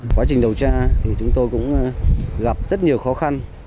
quá trình điều tra thì chúng tôi cũng gặp rất nhiều khó khăn